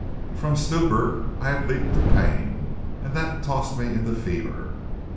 From stupor I had leaped to pain, and that tossed me into fever.